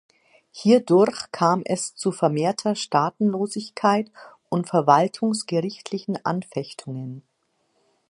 Hierdurch kam es zu vermehrter Staatenlosigkeit und verwaltungsgerichtlichen Anfechtungen.